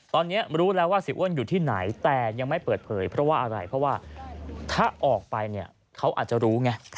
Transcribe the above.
ตอนนี้รู้แล้วว่าเสียอ้วนอยู่ที่ไหนแต่ยังไม่เปิดเผยเพราะว่าอะไรเพราะว่าถ้าออกไปเนี่ยเขาอาจจะรู้ไง